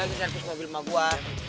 nanti servis mobil emak gua